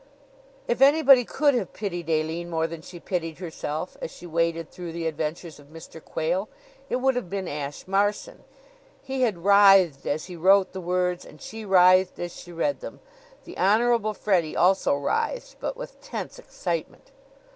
If anybody could have pitied Aline more than she pitied herself, as she waded through the adventures of Mr. Quayle, it would have been Ashe Marson. He had writhed as he wrote the words and she writhed as she read them. The Honorable Freddie also writhed, but with tense excitement.